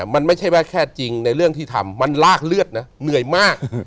มันไม่ใช่ว่าแค่จริงในเรื่องที่ทำมันลากเลือดนะเหนื่อยมาก